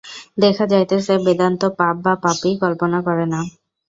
দেখা যাইতেছে, বেদান্ত পাপ বা পাপী কল্পনা করে না।